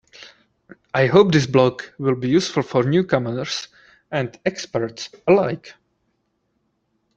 I hope this blog will be useful to newcomers and experts alike.